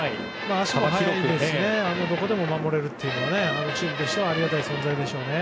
足も速いですしどこでも守れるというのはチームとしてもありがたい存在でしょうね。